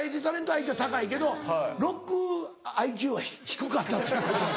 ＩＱは高いけどロックＩＱは低かったっていうことや。